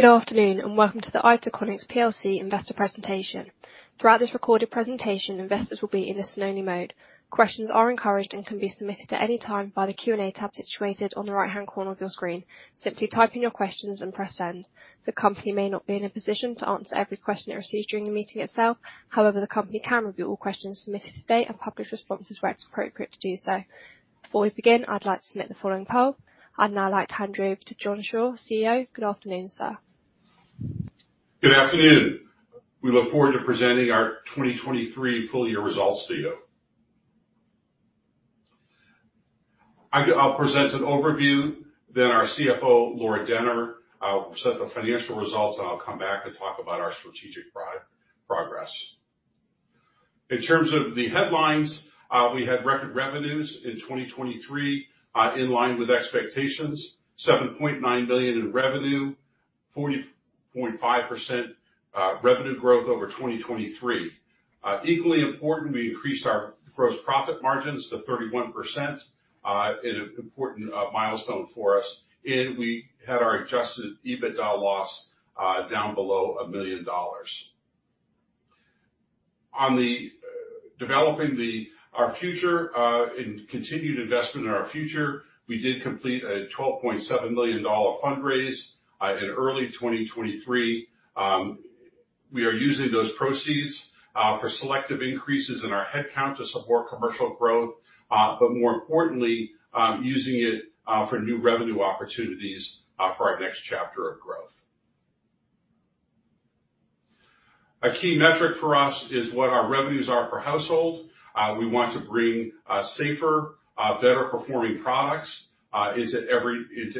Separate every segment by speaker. Speaker 1: Good afternoon. Welcome to the Itaconix plc investor presentation. Throughout this recorded presentation, investors will be in a listen-only mode. Questions are encouraged and can be submitted at any time by the Q&A tab situated on the right-hand corner of your screen. Simply type in your questions and press send. The company may not be in a position to answer every question it receives during the meeting itself. The company can review all questions submitted today and publish responses where it's appropriate to do so. Before we begin, I'd like to submit the following poll. I'd now like to hand you over to John Shaw, CEO. Good afternoon, sir.
Speaker 2: Good afternoon. We look forward to presenting our 2023 full year results to you. I'll present an overview, then our CFO, Laura Denner, will present the financial results, and I'll come back and talk about our strategic progress. In terms of the headlines, we had record revenues in 2023, in line with expectations, 7.9 billion in revenue, 40.5% revenue growth over 2023. Equally important, we increased our gross profit margins to 31%, an important milestone for us. We had our adjusted EBITDA loss down below $1 million. On developing our future and continued investment in our future, we did complete a $12.7 million fundraise in early 2023. We are using those proceeds for selective increases in our headcount to support commercial growth, but more importantly, using it for new revenue opportunities for our next chapter of growth. A key metric for us is what our revenues are per household. We want to bring safer, better performing products into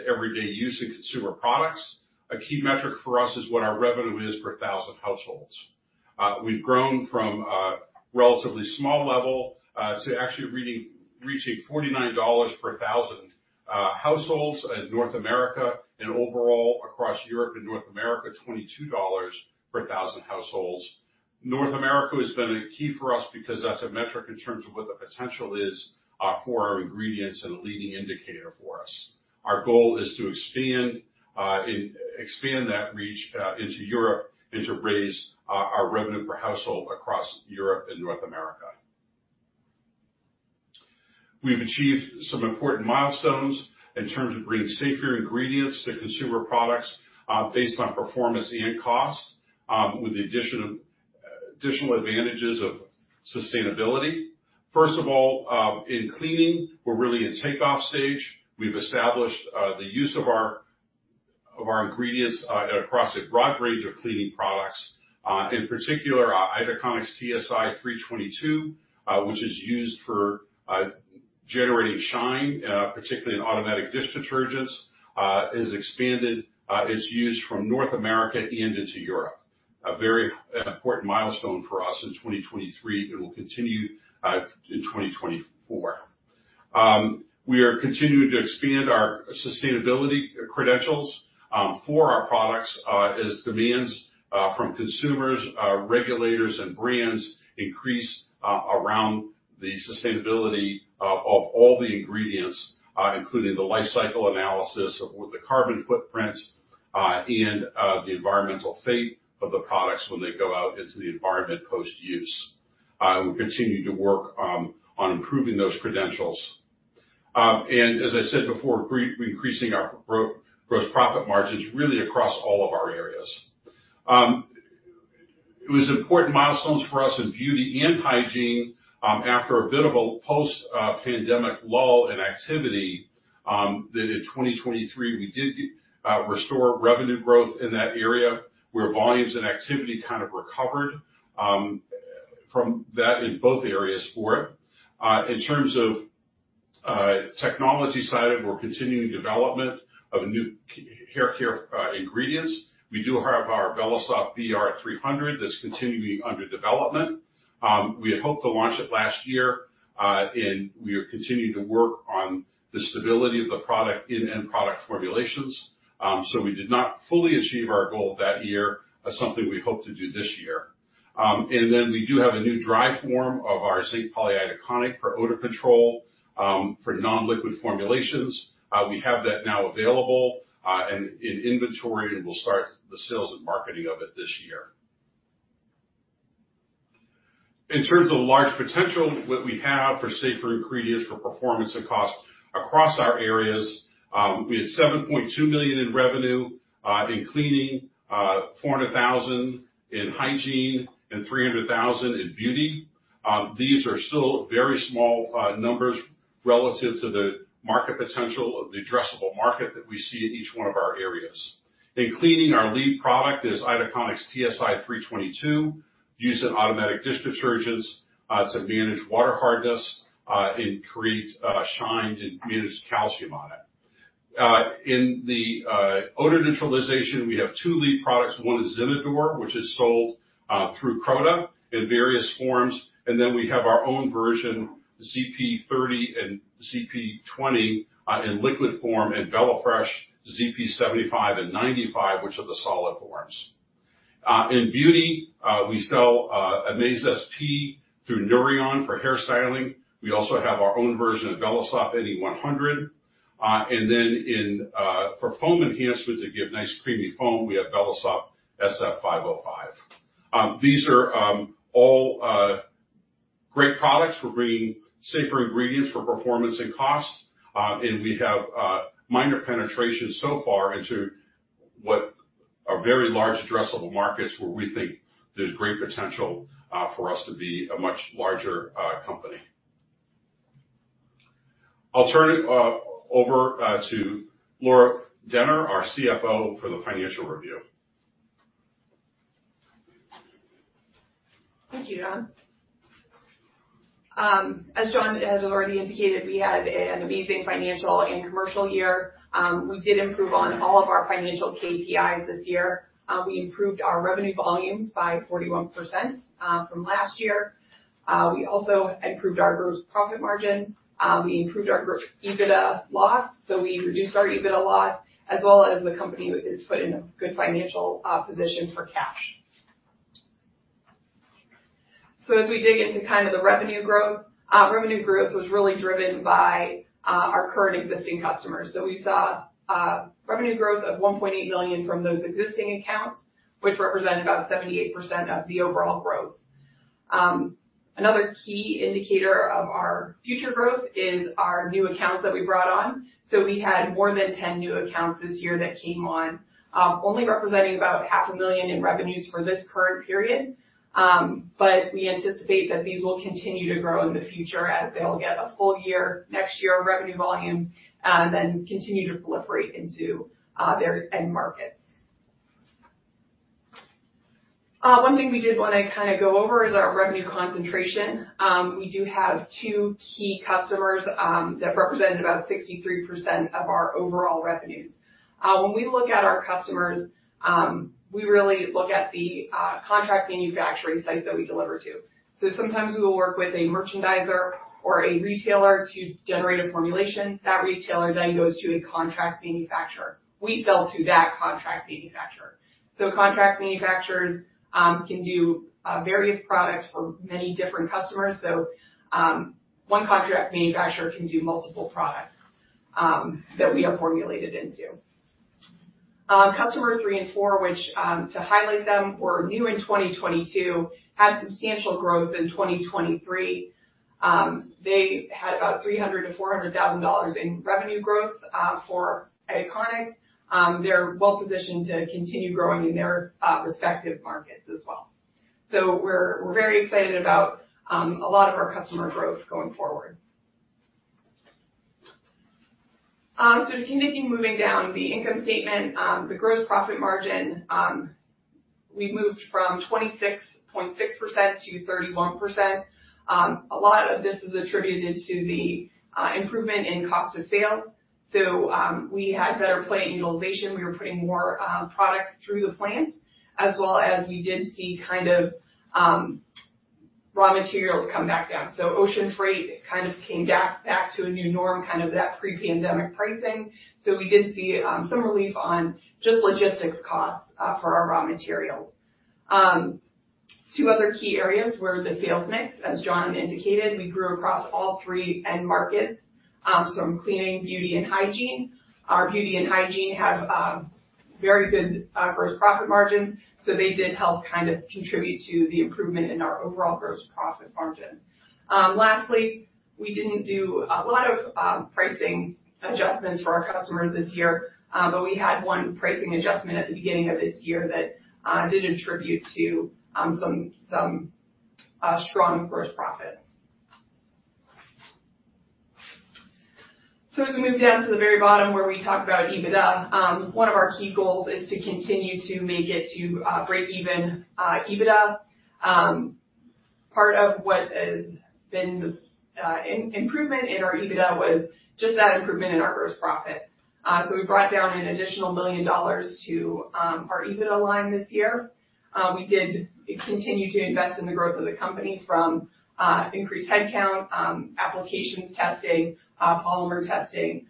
Speaker 2: everyday use in consumer products. A key metric for us is what our revenue is per 1,000 households. We've grown from a relatively small level to actually reaching GBP 49 per 1,000 households in North America and overall across Europe and North America, GBP 22 per 1,000 households. North America has been a key for us because that's a metric in terms of what the potential is for our ingredients and a leading indicator for us. Our goal is to expand that reach into Europe and to raise our revenue per household across Europe and North America. We have achieved some important milestones in terms of bringing safer ingredients to consumer products based on performance and cost, with the additional advantages of sustainability. First of all, in cleaning, we're really in takeoff stage. We've established the use of our ingredients across a broad range of cleaning products. In particular, Itaconix TSI 322, which is used for generating shine, particularly in automatic dish detergents, is expanded. It's used from North America and into Europe, a very important milestone for us in 2023. It will continue in 2024. We are continuing to expand our sustainability credentials for our products as demands from consumers, regulators, and brands increase around the sustainability of all the ingredients, including the life cycle analysis of the carbon footprint, and the environmental fate of the products when they go out into the environment post-use. We continue to work on improving those credentials. As I said before, we're increasing our gross profit margins really across all of our areas. It was important milestones for us in beauty and hygiene after a bit of a post-pandemic lull in activity, that in 2023, we did restore revenue growth in that area where volumes and activity kind of recovered from that in both areas for it. In terms of technology side of it, we're continuing development of new hair care ingredients. We do have our VELASOFT VR300 that's continuing under development. We had hoped to launch it last year. We are continuing to work on the stability of the product in end product formulations. We did not fully achieve our goal that year. That's something we hope to do this year. We do have a new dry form of our zinc polyitaconate for odor control, for non-liquid formulations. We have that now available, and in inventory, and we'll start the sales and marketing of it this year. In terms of large potential, what we have for safer ingredients for performance and cost across our areas, we had 7.2 million in revenue in cleaning, 400,000 in hygiene, and 300,000 in beauty. These are still very small numbers relative to the market potential of the addressable market that we see in each one of our areas. In cleaning, our lead product is Itaconix TSI 322, used in automatic dish detergents, to manage water hardness, increase shine, and manage calcium on it. In the odor neutralization, we have two lead products. One is ZINADOR, which is sold through Croda in various forms, and then we have our own version, VELAFRESH ZP30 and VELAFRESH ZP20 in liquid form and VELAFRESH ZP 75 and VELAFRESH ZP95, which are the solid forms. In beauty, we sell Amaze SP through Nouryon for hairstyling. We also have our own version of VELASOFT NE 100. Then for foam enhancement to give nice creamy foam, we have VELASOFT sf 505. These are all great products for bringing safer ingredients for performance and cost. We have minor penetration so far into what are very large addressable markets, where we think there's great potential for us to be a much larger company. I'll turn it over to Laura Denner, our CFO, for the financial review.
Speaker 3: Thank you, John. As John has already indicated, we had an amazing financial and commercial year. We did improve on all of our financial KPIs this year. We improved our revenue volumes by 41% from last year. We also improved our gross profit margin. We improved our EBITDA loss, we reduced our EBITDA loss, as well as the company is put in a good financial position for cash. As we dig into the revenue growth, revenue growth was really driven by our current existing customers. We saw revenue growth of 1.8 million from those existing accounts, which represented about 78% of the overall growth. Another key indicator of our future growth is our new accounts that we brought on. We had more than 10 new accounts this year that came on, only representing about 500,000 in revenues for this current period. We anticipate that these will continue to grow in the future as they all get a full year next year of revenue volumes, and then continue to proliferate into their end markets. One thing we did want to go over is our revenue concentration. We do have two key customers that represented about 63% of our overall revenues. When we look at our customers, we really look at the contract manufacturing sites that we deliver to. Sometimes we will work with a merchandiser or a retailer to generate a formulation. That retailer then goes to a contract manufacturer. We sell to that contract manufacturer. Contract manufacturers can do various products for many different customers. One contract manufacturer can do multiple products that we have formulated into. Customer three and four, which to highlight them, were new in 2022, had substantial growth in 2023. They had about $300,000-$400,000 in revenue growth for Itaconix. They're well positioned to continue growing in their respective markets as well. We're very excited about a lot of our customer growth going forward. Continuing moving down the income statement, the gross profit margin, we moved from 26.6% to 31%. A lot of this is attributed to the improvement in cost of sales. We had better plant utilization. We were putting more products through the plant, as well as we did see raw materials come back down. Ocean freight kind of came back to a new norm, kind of that pre-pandemic pricing. We did see some relief on just logistics costs for our raw materials. Two other key areas were the sales mix, as John indicated. We grew across all three end markets, so cleaning, beauty, and hygiene. Our beauty and hygiene have very good gross profit margins, they did help contribute to the improvement in our overall gross profit margin. Lastly, we didn't do a lot of pricing adjustments for our customers this year, but we had one pricing adjustment at the beginning of this year that did attribute to some strong gross profit. As we move down to the very bottom where we talk about EBITDA, one of our key goals is to continue to make it to break even EBITDA. Part of what has been the improvement in our EBITDA was just that improvement in our gross profit. We brought down an additional GBP 1 million to our EBITDA line this year. We did continue to invest in the growth of the company from increased headcount, applications testing, polymer testing,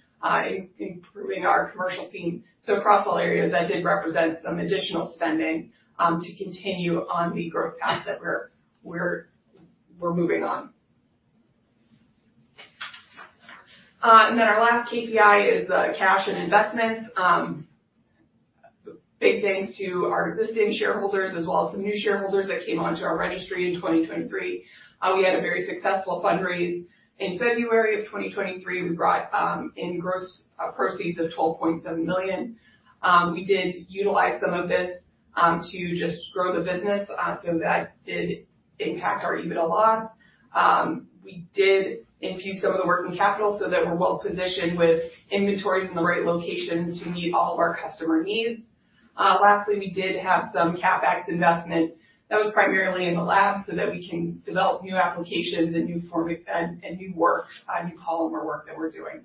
Speaker 3: improving our commercial team. Across all areas, that did represent some additional spending to continue on the growth path that we're moving on. Our last KPI is the cash and investments. Big thanks to our existing shareholders, as well as some new shareholders that came onto our registry in 2023. We had a very successful fundraise. In February of 2023, we brought in gross proceeds of 12.7 million. We did utilize some of this to just grow the business, so that did impact our EBITDA loss. We did infuse some of the working capital so that we're well-positioned with inventories in the right locations to meet all of our customer needs. Lastly, we did have some CapEx investment that was primarily in the lab so that we can develop new applications and new work, new polymer work that we're doing.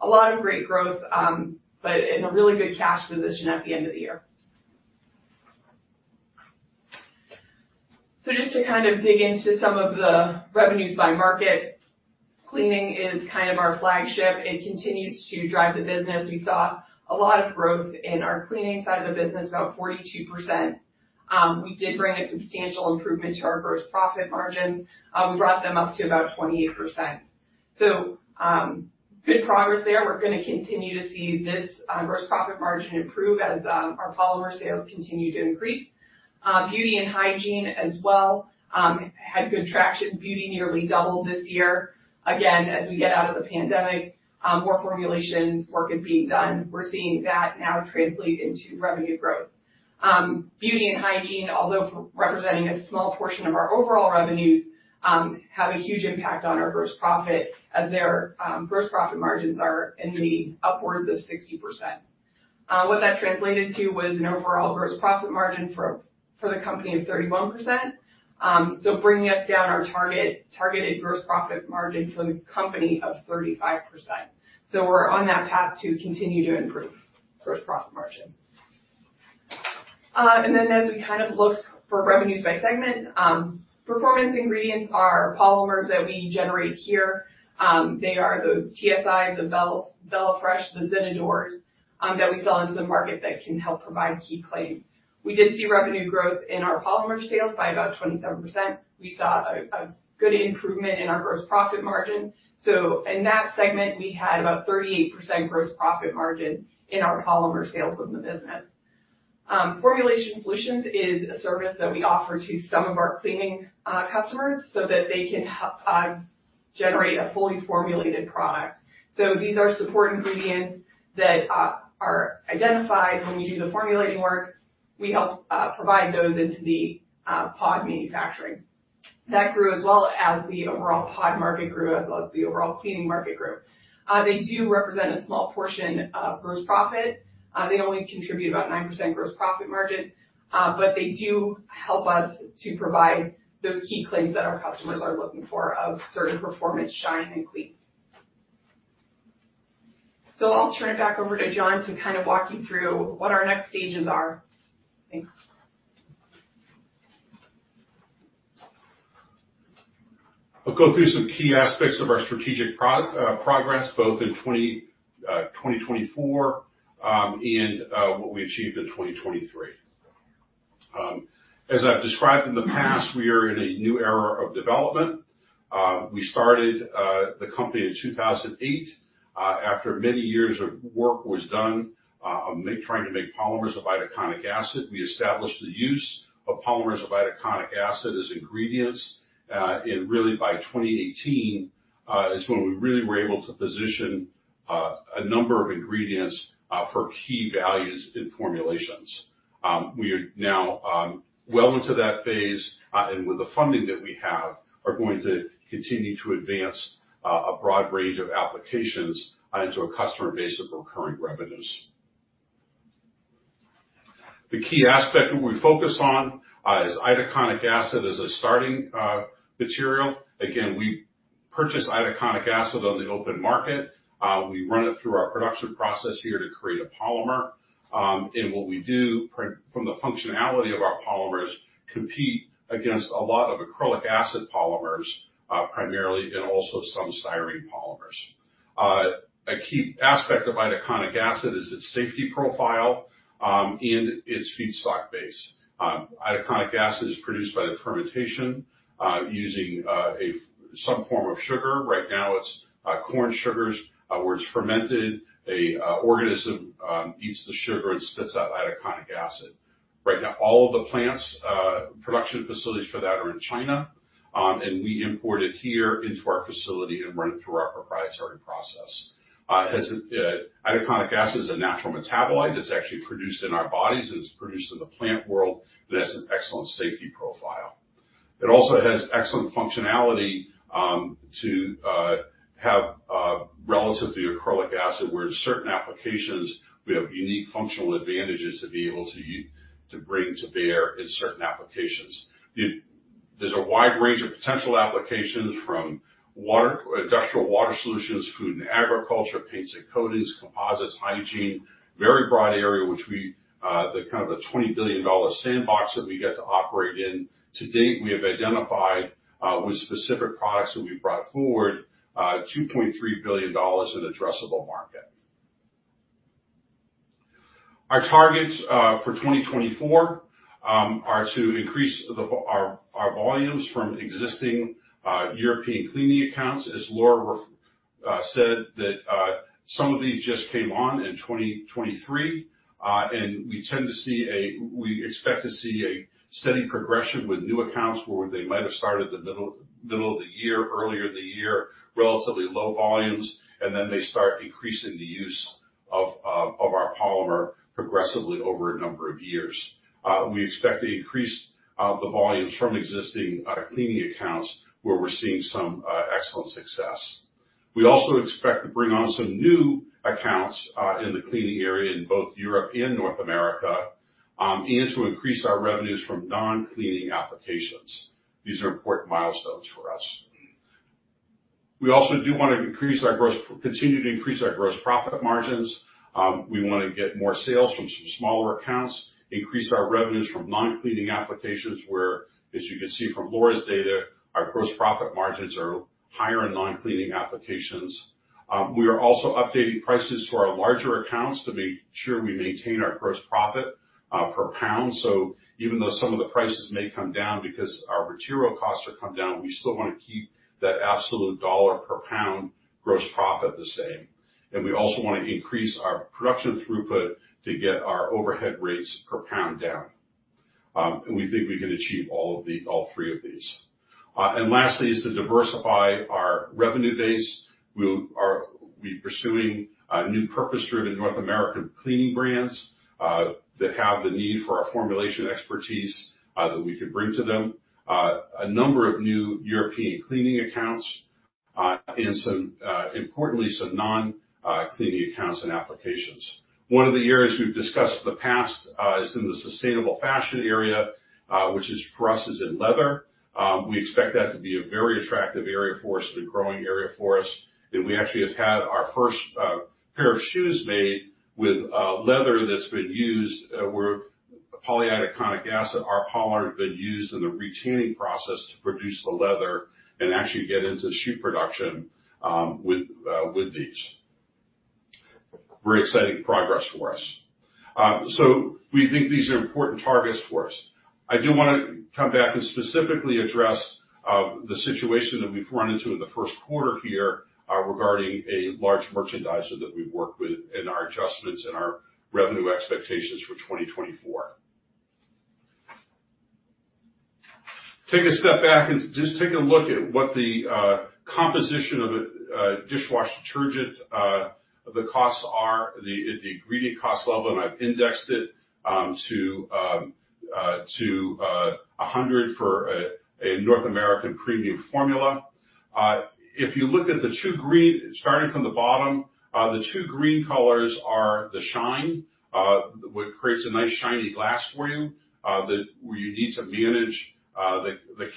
Speaker 3: A lot of great growth, but in a really good cash position at the end of the year. Just to kind of dig into some of the revenues by market, cleaning is kind of our flagship. It continues to drive the business. We saw a lot of growth in our cleaning side of the business, about 42%. We did bring a substantial improvement to our gross profit margins. We brought them up to about 28%. Good progress there. We're going to continue to see this gross profit margin improve as our polymer sales continue to increase. Beauty and hygiene as well, had good traction. Beauty nearly doubled this year. Again, as we get out of the pandemic, more formulation work is being done. We're seeing that now translate into revenue growth. Beauty and hygiene, although representing a small portion of our overall revenues, have a huge impact on our gross profit as their gross profit margins are in the upwards of 60%. What that translated to was an overall gross profit margin for the company of 31%, bringing us down our targeted gross profit margin for the company of 35%. We're on that path to continue to improve gross profit margin. As we look for revenues by segment, performance ingredients are polymers that we generate here. They are those TSIs, the VELAFRESH, the ZINADORs that we sell into the market that can help provide key claims. We did see revenue growth in our polymer sales by about 27%. We saw a good improvement in our gross profit margin. In that segment, we had about 38% gross profit margin in our polymer sales of the business. Formulation solutions is a service that we offer to some of our cleaning customers so that they can help generate a fully formulated product. These are support ingredients that are identified when we do the formulating work. We help provide those into the pod manufacturing. That grew as well as the overall pod market grew, as well as the overall cleaning market grew. They do represent a small portion of gross profit. They only contribute about 9% gross profit margin, but they do help us to provide those key claims that our customers are looking for of certain performance, shine, and clean. I'll turn it back over to John to kind of walk you through what our next stages are. Thanks.
Speaker 2: I'll go through some key aspects of our strategic progress, both in 2024, and what we achieved in 2023. As I've described in the past, we are in a new era of development. We started the company in 2008. After many years of work was done, of trying to make polymers of itaconic acid, we established the use of polymers of itaconic acid as ingredients. Really, by 2018 is when we really were able to position a number of ingredients for key values in formulations. We are now well into that phase, and with the funding that we have, are going to continue to advance a broad range of applications into a customer base of recurring revenues. The key aspect that we focus on is itaconic acid as a starting material. Again, we purchase itaconic acid on the open market. We run it through our production process here to create a polymer. What we do, from the functionality of our polymers, compete against a lot of acrylic acid polymers, primarily, and also some styrene polymers. A key aspect of Itaconic acid is its safety profile, and its feedstock base. Itaconic acid is produced by the fermentation, using some form of sugar. Right now, it's corn sugars, where it's fermented. An organism eats the sugar and spits out itaconic acid. Right now, all of the plants, production facilities for that are in China. We import it here into our facility and run it through our proprietary process. Itaconic acid is a natural metabolite that's actually produced in our bodies, and it's produced in the plant world, and it has an excellent safety profile. It also has excellent functionality to have, relative to the acrylic acid, where in certain applications, we have unique functional advantages to be able to bring to bear in certain applications. There's a wide range of potential applications from industrial water solutions, food and agriculture, paints and coatings, composites, hygiene. Very broad area, the kind of the GBP 20 billion sandbox that we get to operate in. To date, we have identified with specific products that we've brought forward, GBP 2.3 billion in addressable market. Our targets for 2024 are to increase our volumes from existing European cleaning accounts. As Laura said, that some of these just came on in 2023. We expect to see a steady progression with new accounts, where they might have started the middle of the year, earlier in the year, relatively low volumes, then they start increasing the use of our polymer progressively over a number of years. We expect to increase the volumes from existing cleaning accounts, where we're seeing some excellent success. We also expect to bring on some new accounts in the cleaning area in both Europe and North America, to increase our revenues from non-cleaning applications. These are important milestones for us. We also do want to continue to increase our gross profit margins. We want to get more sales from some smaller accounts, increase our revenues from non-cleaning applications, where, as you can see from Laura's data, our gross profit margins are higher in non-cleaning applications. We are also updating prices to our larger accounts to make sure we maintain our gross profit per pound. Even though some of the prices may come down because our material costs have come down, we still want to keep that absolute dollar per pound gross profit the same. We also want to increase our production throughput to get our overhead rates per pound down. We think we can achieve all three of these. Lastly is to diversify our revenue base. We're pursuing new purpose-driven North American cleaning brands that have the need for our formulation expertise that we can bring to them. A number of new European cleaning accounts, and importantly, some non-cleaning accounts and applications. One of the areas we've discussed in the past is in the sustainable fashion area, which for us is in leather. We expect that to be a very attractive area for us, and a growing area for us. We actually have had our first pair of shoes made with leather that's been used, where polyitaconic acid, our polymer, has been used in the retanning process to produce the leather and actually get into shoe production with these. Very exciting progress for us. We think these are important targets for us. I do want to come back and specifically address the situation that we've run into in the first quarter here regarding a large merchandiser that we work with and our adjustments and our revenue expectations for 2024. Take a step back and just take a look at what the composition of a dishwasher detergent, the costs are, the ingredient cost level, and I've indexed it to 100 for a North American premium formula. If you look at the two green, starting from the bottom, the two green colors are the shine, what creates a nice shiny glass for you, where you need to manage the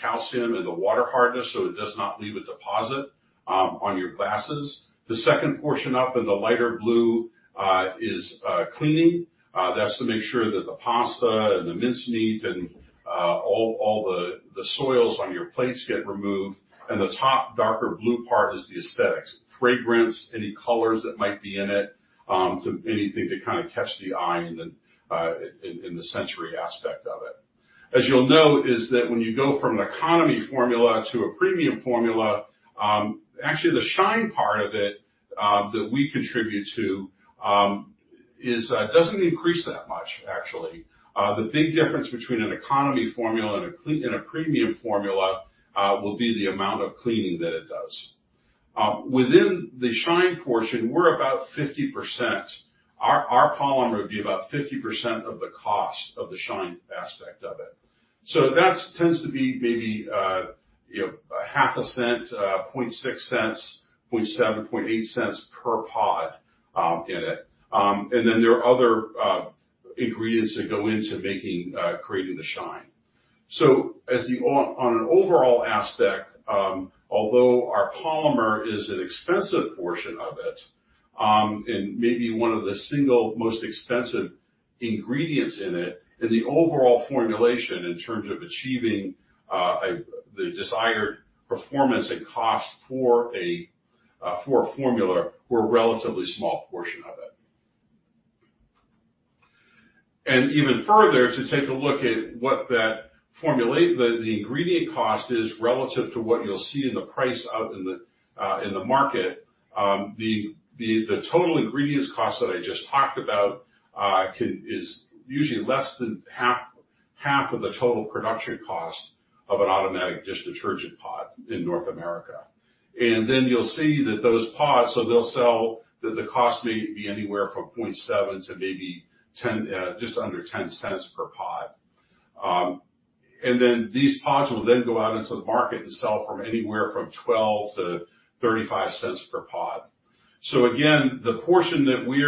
Speaker 2: calcium and the water hardness so it does not leave a deposit on your glasses. The second portion up in the lighter blue is cleaning. That's to make sure that the pasta and the mince meat and all the soils on your plates get removed. The top darker blue part is the aesthetics, fragrances, any colors that might be in it, anything to kind of catch the eye in the sensory aspect of it. As you'll note, is that when you go from an economy formula to a premium formula, actually, the shine part of it that we contribute to, doesn't increase that much, actually. The big difference between an economy formula and a premium formula will be the amount of cleaning that it does. Within the shine portion, we're about 50%. Our polymer would be about 50% of the cost of the shine aspect of it. That tends to be maybe GBP 0.005, 0.006, 0.007, 0.008 per pod in it. There are other ingredients that go into creating the shine. On an overall aspect, although our polymer is an expensive portion of it, and maybe one of the single most expensive ingredients in it, in the overall formulation in terms of achieving the desired performance and cost for a formula, we're a relatively small portion of it. Even further, to take a look at what the ingredient cost is relative to what you'll see in the price out in the market. The total ingredients cost that I just talked about is usually less than half of the total production cost of an automatic dish detergent pod in North America. You'll see that those pods, so they'll sell, the cost may be anywhere from $0.007 to maybe just under $0.10 per pod. These pods will then go out into the market and sell from anywhere from $0.12 to $0.35 per pod. Again, the portion that we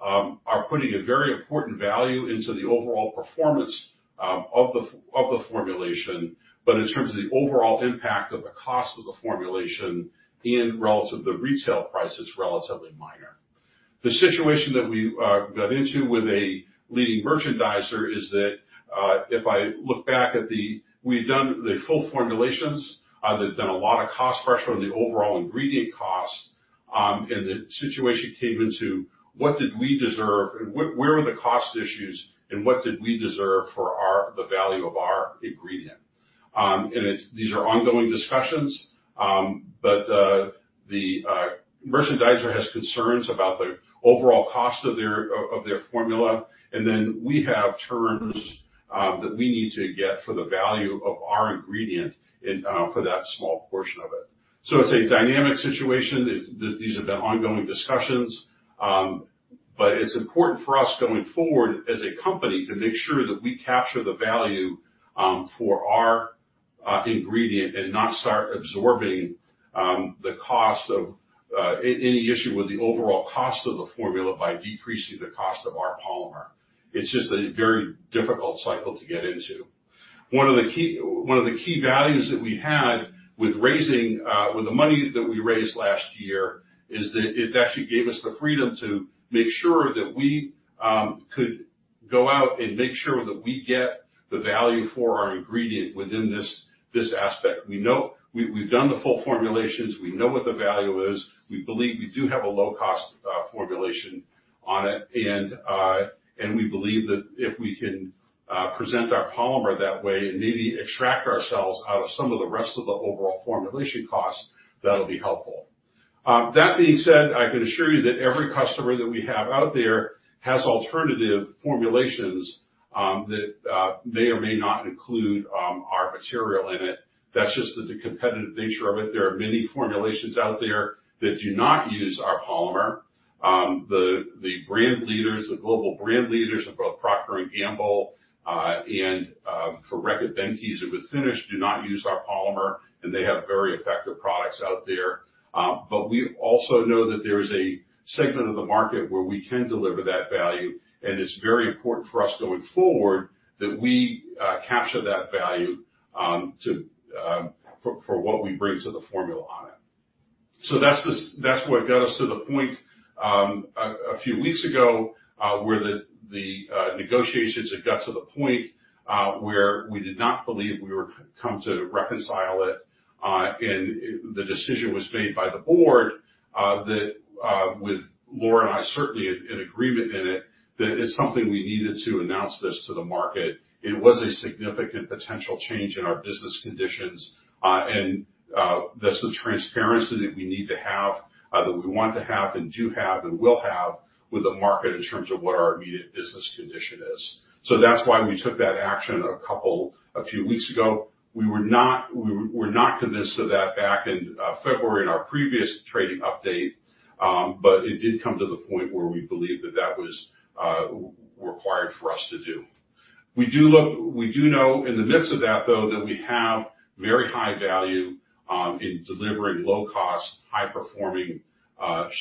Speaker 2: are putting a very important value into the overall performance of the formulation, but in terms of the overall impact of the cost of the formulation in relative to retail price, it's relatively minor. The situation that we got into with a leading merchandiser is that, if I look back at the We've done the full formulations, they've done a lot of cost pressure on the overall ingredient cost, the situation came into what did we deserve, and where were the cost issues, and what did we deserve for the value of our ingredient? These are ongoing discussions, the merchandiser has concerns about the overall cost of their formula, we have terms that we need to get for the value of our ingredient for that small portion of it. It's a dynamic situation. These have been ongoing discussions. It's important for us going forward as a company to make sure that we capture the value for our ingredient and not start absorbing the cost of any issue with the overall cost of the formula by decreasing the cost of our polymer. It's just a very difficult cycle to get into. One of the key values that we had with the money that we raised last year is that it actually gave us the freedom to make sure that we could go out and make sure that we get the value for our ingredient within this aspect. We've done the full formulations. We know what the value is. We believe we do have a low-cost formulation on it, and we believe that if we can present our polymer that way and maybe extract ourselves out of some of the rest of the overall formulation costs, that'll be helpful. That being said, I can assure you that every customer that we have out there has alternative formulations that may or may not include our material in it. That's just the competitive nature of it. There are many formulations out there that do not use our polymer. The global brand leaders of both Procter & Gamble and for Reckitt Benckiser with Finish do not use our polymer, and they have very effective products out there. We also know that there is a segment of the market where we can deliver that value, and it's very important for us going forward that we capture that value for what we bring to the formula on it. That's what got us to the point, a few weeks ago, where the negotiations had got to the point where we did not believe we would come to reconcile it. The decision was made by the board, with Laura and I certainly in agreement in it, that it's something we needed to announce this to the market. It was a significant potential change in our business conditions. That's the transparency that we need to have, that we want to have and do have and will have with the market in terms of what our immediate business condition is. That's why we took that action a few weeks ago. We were not convinced of that back in February in our previous trading update, but it did come to the point where we believed that that was required for us to do. We do know in the midst of that, though, that we have very high value in delivering low-cost, high-performing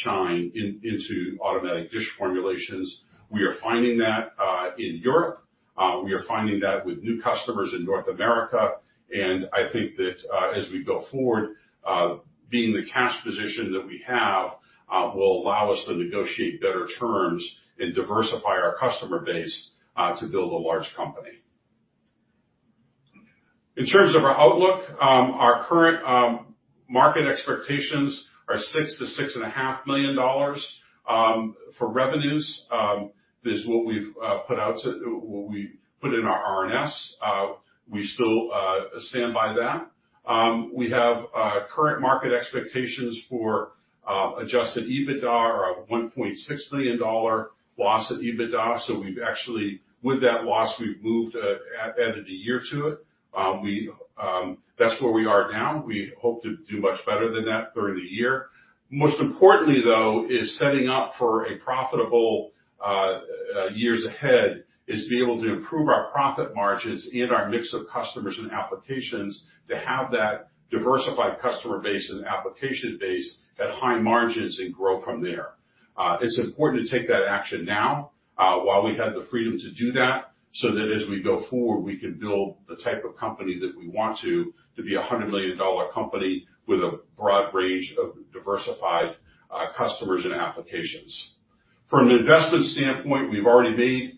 Speaker 2: shine into automatic dish formulations. We are finding that in Europe. We are finding that with new customers in North America. I think that as we go forward, being the cash position that we have will allow us to negotiate better terms and diversify our customer base to build a large company. In terms of our outlook, our current market expectations are GBP 6 million-GBP 6.5 million for revenues, is what we've put in our RNS. We still stand by that. We have current market expectations for adjusted EBITDA or a GBP 1.6 million loss of EBITDA. With that loss, we've added a year to it. That's where we are now. We hope to do much better than that through the year. Most importantly, though, is setting up for profitable years ahead, is to be able to improve our profit margins and our mix of customers and applications to have that diversified customer base and application base at high margins and grow from there. It's important to take that action now while we have the freedom to do that, so that as we go forward, we can build the type of company that we want to be a GBP 100 million company with a broad range of diversified customers and applications. From an investment standpoint, we've already made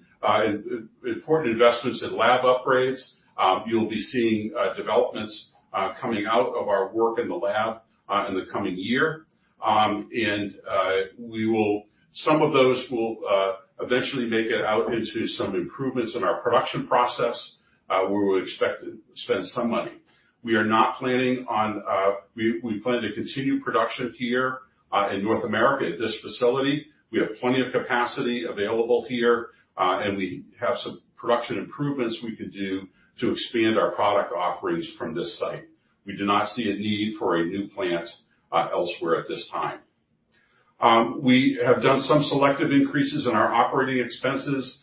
Speaker 2: important investments in lab upgrades. You'll be seeing developments coming out of our work in the lab in the coming year. Some of those will eventually make it out into some improvements in our production process where we would expect to spend some money. We plan to continue production here in North America at this facility. We have plenty of capacity available here, and we have some production improvements we can do to expand our product offerings from this site. We do not see a need for a new plant elsewhere at this time. We have done some selective increases in our operating expenses.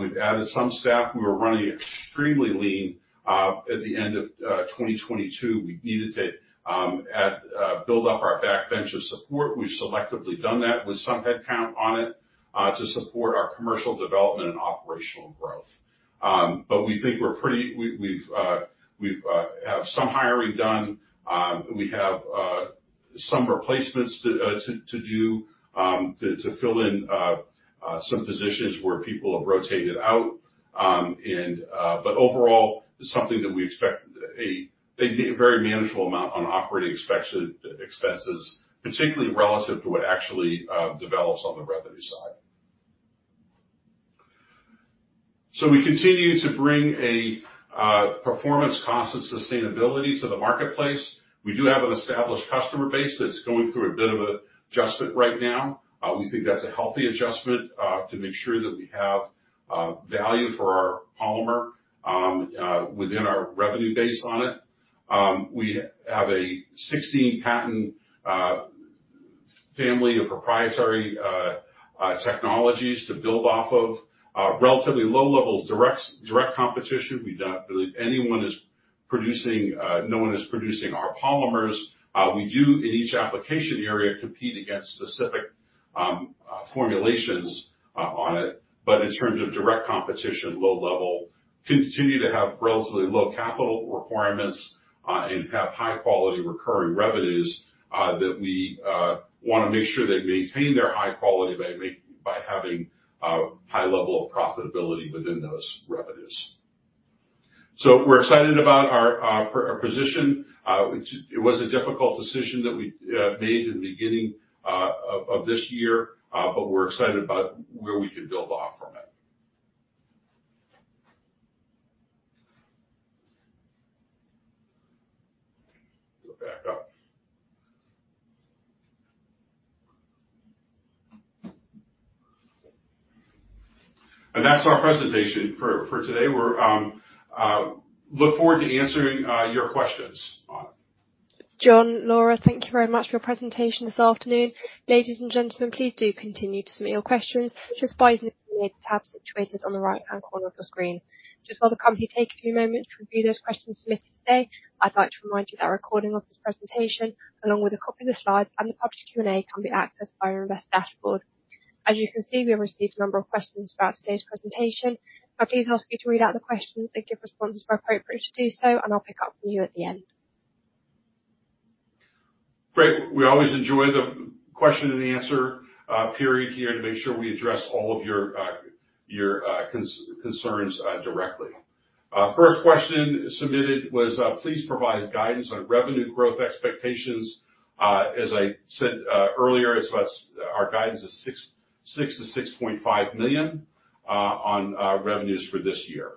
Speaker 2: We've added some staff. We were running extremely lean at the end of 2022. We needed to build up our back bench of support. We've selectively done that with some headcount on it to support our commercial development and operational growth. We think we have some hiring done. We have some replacements to do to fill in some positions where people have rotated out. Overall, it's something that we expect a very manageable amount on operating expenses, particularly relative to what actually develops on the revenue side. We continue to bring a performance, cost, and sustainability to the marketplace. We do have an established customer base that's going through a bit of an adjustment right now. We think that's a healthy adjustment to make sure that we have value for our polymer within our revenue base on it. We have a 16 patent family of proprietary technologies to build off of. Relatively low levels, direct competition. No one is producing our polymers. We do, in each application area, compete against specific formulations on it. In terms of direct competition, low level. Continue to have relatively low capital requirements and have high-quality recurring revenues that we want to make sure they maintain their high quality by having a high level of profitability within those revenues. We're excited about our position. It was a difficult decision that we made in the beginning of this year. We're excited about where we can build off from it. Go back up. That's our presentation for today. We look forward to answering your questions on it.
Speaker 1: John, Laura, thank you very much for your presentation this afternoon. Ladies and gentlemen, please do continue to submit your questions just by using the tab situated on the right-hand corner of your screen. While the company take a few moments to review those questions submitted today, I'd like to remind you that a recording of this presentation, along with a copy of the slides and the published Q&A, can be accessed via your investor dashboard. As you can see, we have received a number of questions about today's presentation. I'll please ask you to read out the questions and give responses where appropriate to do so. I'll pick up from you at the end.
Speaker 2: Great. We always enjoy the question and answer period here to make sure we address all of your concerns directly. First question submitted was, "Please provide guidance on revenue growth expectations." As I said earlier, our guidance is 6 million-6.5 million on revenues for this year.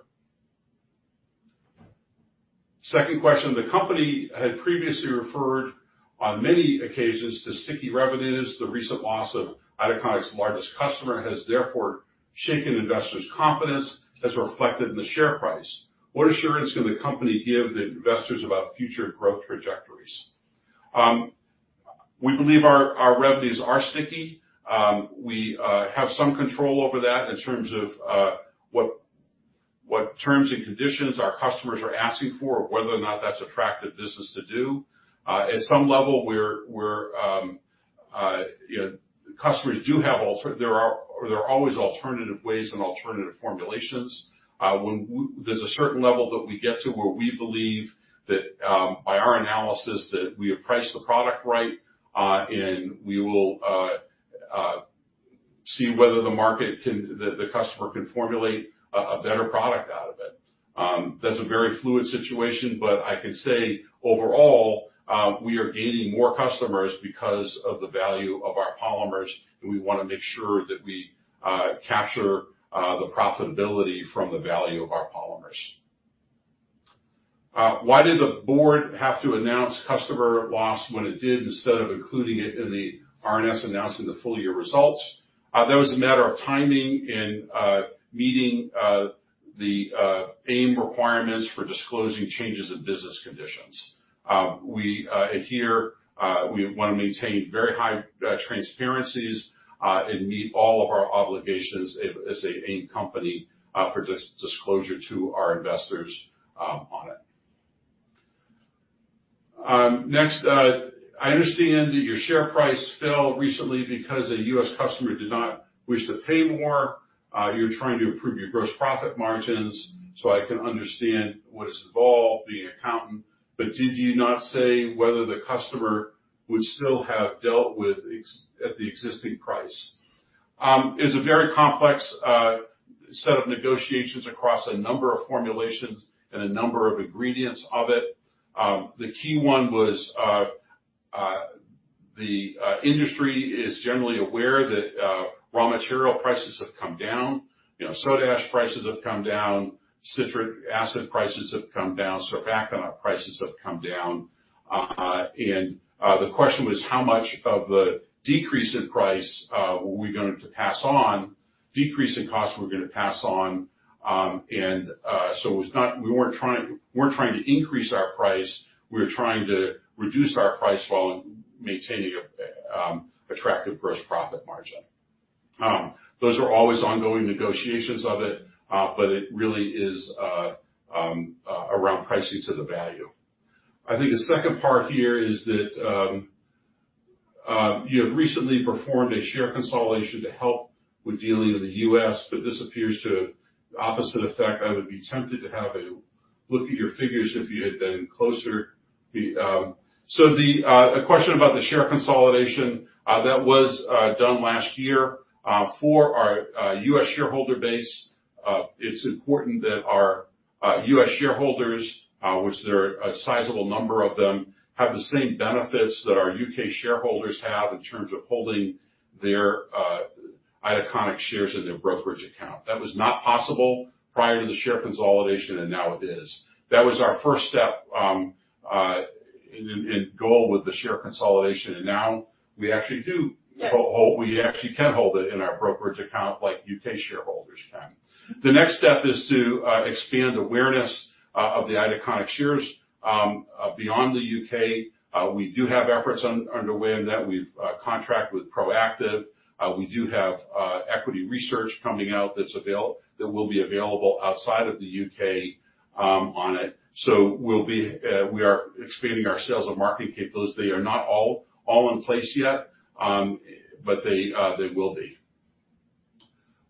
Speaker 2: Second question, "The company had previously referred on many occasions to sticky revenues." The recent loss of Itaconix largest customer has therefore shaken investors' confidence, as reflected in the share price. "What assurance can the company give the investors about future growth trajectories?" We believe our revenues are sticky. We have some control over that in terms of what terms and conditions our customers are asking for, whether or not that's attractive business to do. At some level, there are always alternative ways and alternative formulations. There's a certain level that we get to where we believe that, by our analysis, that we have priced the product right, and we will see whether the customer can formulate a better product out of it. That's a very fluid situation, but I can say, overall, we are gaining more customers because of the value of our polymers, and we want to make sure that we capture the profitability from the value of our polymers. "Why did the board have to announce customer loss when it did, instead of including it in the RNS announcing the full-year results?" That was a matter of timing and meeting the AIM requirements for disclosing changes in business conditions. Here, we want to maintain very high transparencies, and meet all of our obligations as an AIM company for disclosure to our investors on it. Next, "I understand that your share price fell recently because a U.S. customer did not wish to pay more. You're trying to improve your gross profit margins, so I can understand what is involved being an accountant. Did you not say whether the customer would still have dealt with at the existing price?" It's a very complex set of negotiations across a number of formulations and a number of ingredients of it. The key one was, the industry is generally aware that raw material prices have come down. soda ash prices have come down, citric acid prices have come down, surfactant prices have come down. The question was how much of the decrease in price were we going to pass on, decrease in cost we're going to pass on. So we weren't trying to increase our price. We were trying to reduce our price while maintaining an attractive gross profit margin. Those are always ongoing negotiations of it. It really is around pricing to the value. I think the second part here is that, "You have recently performed a share consolidation to help with dealing in the U.S., but this appears to have the opposite effect. I would be tempted to have a look at your figures if you had been closer." The question about the share consolidation, that was done last year for our U.S. shareholder base. It's important that our U.S. shareholders, which there are a sizable number of them, have the same benefits that our U.K. shareholders have in terms of holding their Itaconix shares in their brokerage account. That was not possible prior to the share consolidation, and now it is. That was our first step and goal with the share consolidation. Now we actually can hold it in our brokerage account like U.K. shareholders can. The next step is to expand awareness of the Itaconix shares beyond the U.K. We do have efforts underway in that. We've contracted with Proactive. We do have equity research coming out that will be available outside of the U.K. on it. We are expanding our sales and marketing capabilities. They are not all in place yet, but they will be.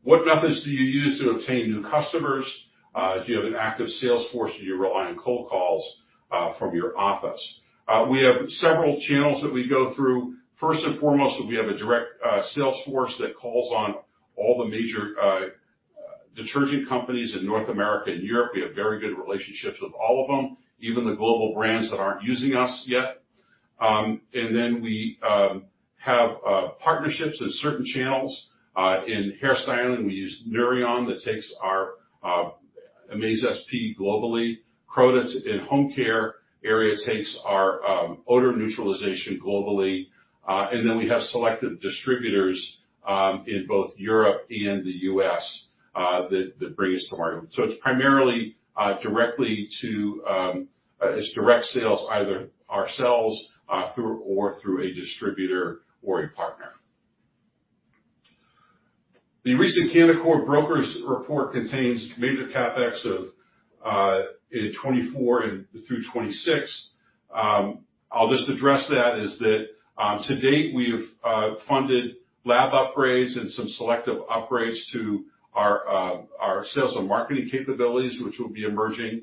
Speaker 2: What methods do you use to obtain new customers? Do you have an active sales force, or do you rely on cold calls from your office? We have several channels that we go through. First and foremost, we have a direct sales force that calls on all the major detergent companies in North America and Europe. We have very good relationships with all of them, even the global brands that aren't using us yet. We have partnerships in certain channels. In hairstyling, we use Nouryon that takes our Amaze SP globally. Croda in home care area takes our odor neutralization globally. We have selective distributors in both Europe and the U.S. that bring us to market. It's primarily direct sales, either ourselves or through a distributor or a partner. The recent Canaccord brokers report contains major CapEx of in 2024 through 2026. I'll just address that, is that to date, we've funded lab upgrades and some selective upgrades to our sales and marketing capabilities, which will be emerging.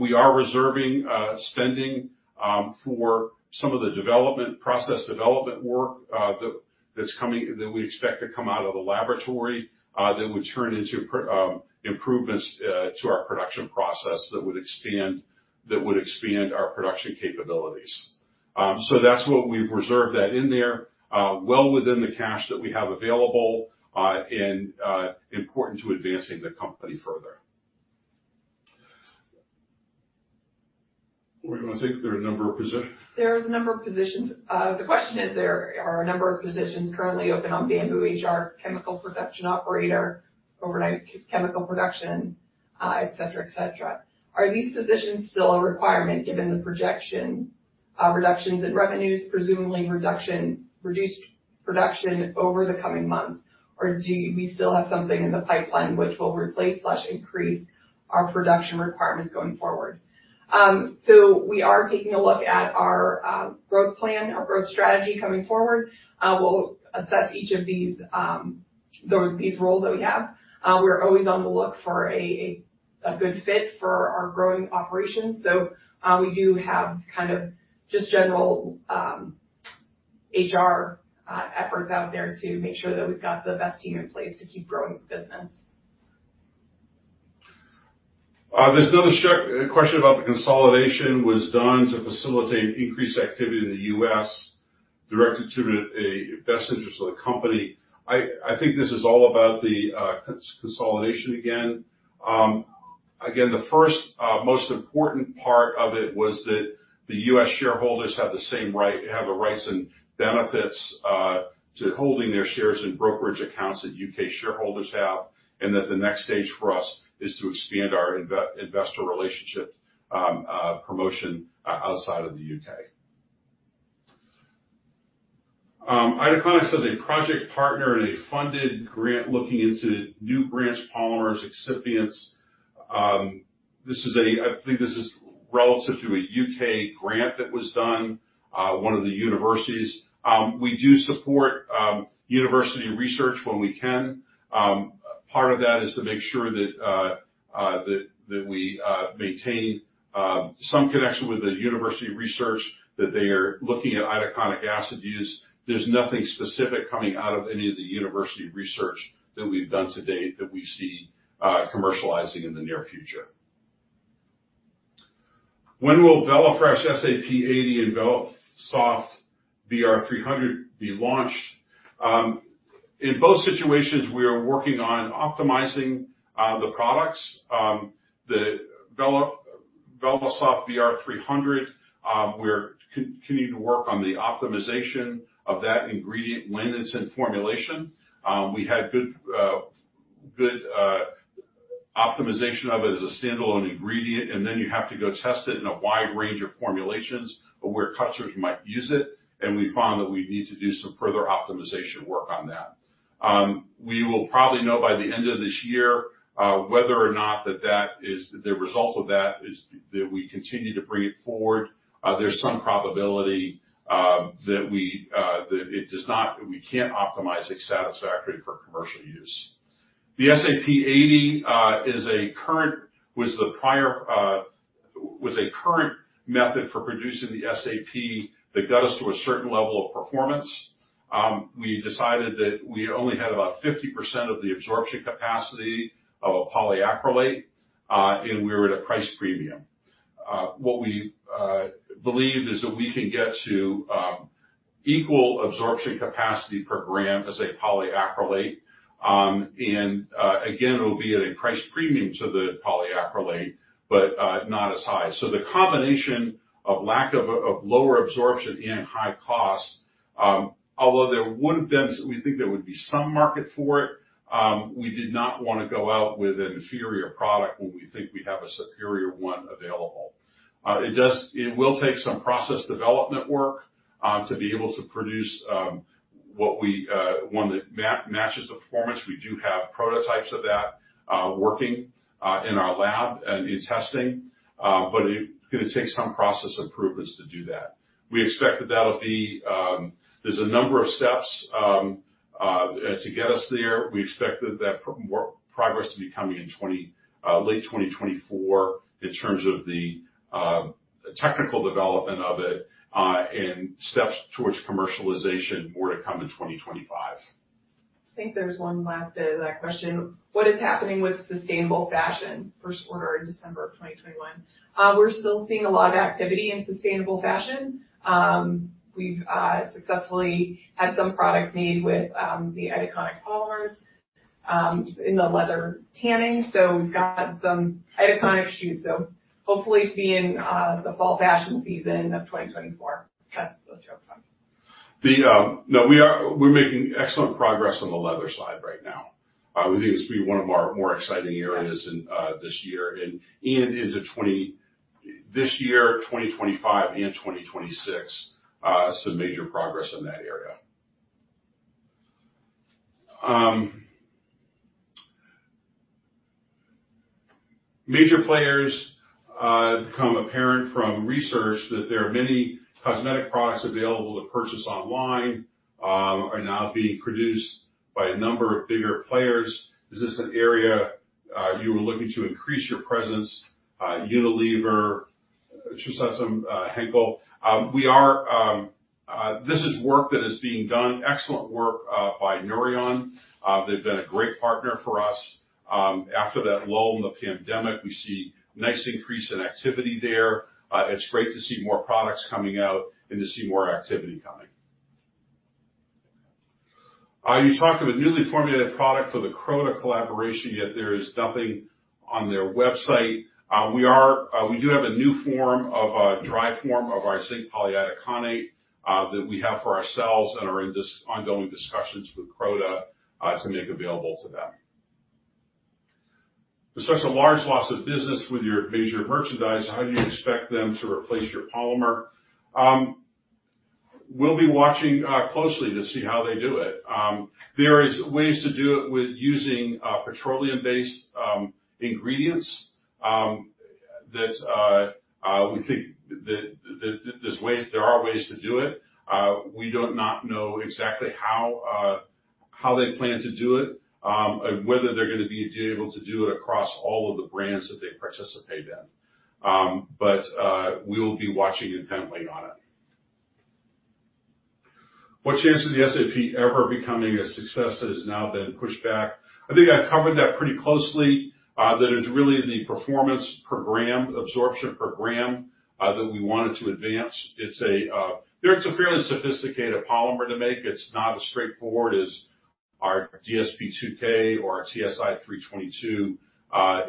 Speaker 2: We are reserving spending for some of the process development work that we expect to come out of the laboratory that would turn into improvements to our production process that would expand our production capabilities. That's what we've reserved that in there, well within the cash that we have available, and important to advancing the company further. Laura, you want to take it? There are a number of positions.
Speaker 3: There are a number of positions. The question is, there are a number of positions currently open on BambooHR, chemical production operator, overnight chemical production, et cetera. Are these positions still a requirement given the projection reductions in revenues, presumably reduced production over the coming months? Do we still have something in the pipeline which will replace/increase our production requirements going forward? We are taking a look at our growth plan, our growth strategy coming forward. We'll assess each of these roles that we have. We're always on the look for a good fit for our growing operations. We do have kind of just general HR efforts out there to make sure that we've got the best team in place to keep growing the business.
Speaker 2: There's another question about the consolidation was done to facilitate increased activity in the U.S. directed to the best interest of the company. I think this is all about the consolidation again. The first most important part of it was that the U.S. shareholders have the rights and benefits to holding their shares in brokerage accounts that U.K. shareholders have, and that the next stage for us is to expand our investor relationship promotion outside of the U.K. Itaconix has a project partner and a funded grant looking into new branched polymers excipients. I think this is relative to a U.K. grant that was done, one of the universities. We do support university research when we can. Part of that is to make sure that we maintain some connection with the university research, that they are looking at itaconic acid use. There's nothing specific coming out of any of the university research that we've done to date that we see commercializing in the near future. When will VELAFRESH SAP 80 and VELASOFT VR300 be launched? In both situations, we are working on optimizing the products. The VELASOFT VR300, we're continuing to work on the optimization of that ingredient when it's in formulation. We had good optimization of it as a standalone ingredient, and then you have to go test it in a wide range of formulations of where customers might use it, and we found that we need to do some further optimization work on that. We will probably know by the end of this year whether or not that the result of that is that we continue to bring it forward. There's some probability that we can't optimize it satisfactorily for commercial use. The SAP 80 was a current method for producing the SAP that got us to a certain level of performance. We decided that we only had about 50% of the absorption capacity of a polyacrylate, and we were at a price premium. What we believed is that we can get to equal absorption capacity per gram as a polyacrylate. Again, it will be at a price premium to the polyacrylate, but not as high. The combination of lack of lower absorption and high cost, although we think there would be some market for it, we did not want to go out with an inferior product when we think we have a superior one available. It will take some process development work to be able to produce one that matches the performance. We do have prototypes of that working in our lab and in testing, but it's going to take some process improvements to do that. There's a number of steps to get us there. We expect that progress to be coming in late 2024 in terms of the technical development of it, and steps towards commercialization, more to come in 2025.
Speaker 3: I think there's one last bit of that question. What is happening with sustainable fashion? First ordered in December of 2021. We're still seeing a lot of activity in sustainable fashion. We've successfully had some products made with the itaconic polymers in the leather tanning. We've got some itaconic shoes, so hopefully see you in the fall fashion season of 2024. Cut those jokes on.
Speaker 2: We're making excellent progress on the leather side right now. We think this will be one of our more exciting areas this year, into this year, 2025, and 2026, some major progress in that area. Major players, become apparent from research that there are many cosmetic products available to purchase online, are now being produced by a number of bigger players. Is this an area you are looking to increase your presence? Unilever, Shiseido, Henkel. This is work that is being done, excellent work by Nouryon. They've been a great partner for us. After that lull in the pandemic, we see nice increase in activity there. It's great to see more products coming out and to see more activity coming. You talked of a newly formulated product for the Croda collaboration, yet there is nothing on their website. We do have a new form of a dry form of our zinc polyitaconate, that we have for ourselves and are in ongoing discussions with Croda, to make available to them. Despite the large loss of business with your major merchandiser, how do you expect them to replace your polymer? We'll be watching closely to see how they do it. There is ways to do it with using petroleum-based ingredients. There are ways to do it. We do not know exactly how they plan to do it, whether they're going to be able to do it across all of the brands that they participate in. We'll be watching intently on it. What chance of the SAP ever becoming a success that has now been pushed back? I think I covered that pretty closely. That is really the performance per gram, absorption per gram, that we wanted to advance. It's a fairly sophisticated polymer to make. It's not as straightforward as our DSP 2K or our TSI 322.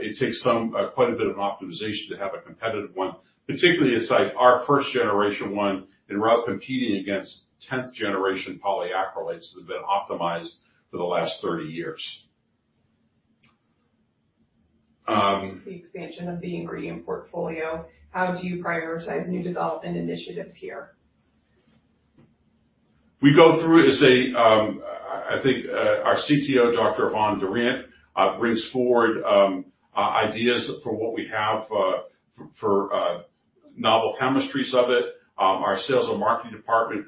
Speaker 2: It takes quite a bit of an optimization to have a competitive one. Particularly, it's like our first generation one, and we're out competing against 10th generation polyacrylates that have been optimized for the last 30 years.
Speaker 3: The expansion of the ingredient portfolio, how do you prioritize new development initiatives here?
Speaker 2: I think our CTO, Dr. Yvonne Durant, brings forward ideas for what we have for novel chemistries of it. Our sales and marketing department,